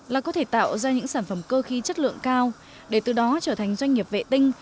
là có thể tạo ra những sản phẩm cơ khí chất lượng cao để từ đó trở thành doanh nghiệp vệ tinh